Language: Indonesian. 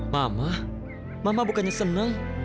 mama mama bukannya seneng